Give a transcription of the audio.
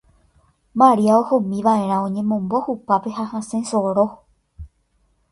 Maria ohómiva'erá oñemombo hupápe ha hasẽ soro.